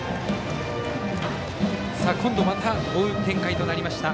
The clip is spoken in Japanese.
今度はまた追う展開となりました